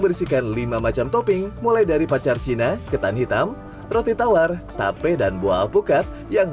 bersihkan lima macam topping mulai dari pacar cina ketan hitam roti tawar tape dan buah alpukat yang